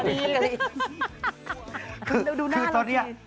คือดูหน้าเราคิด